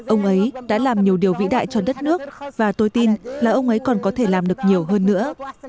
ông ấy đã làm nhiều điều vĩ đại cho đất nước và tôi tin là ông ấy còn có thể làm được nhiều hơn nữa